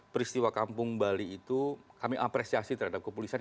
peristiwa kampung bali itu kami apresiasi terhadap kepolisian